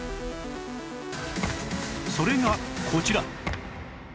それがこちら